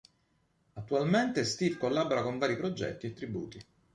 Attualmente Steve collabora con vari progetti e tributi.